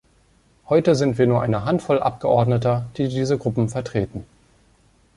Heute sind wir nur eine Handvoll Abgeordneter, die diese Gruppen vertreten.